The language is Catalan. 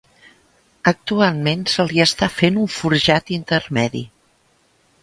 Actualment se li està fent un forjat intermedi.